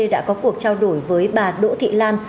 đã có cuộc trao đổi với bà đỗ thị lan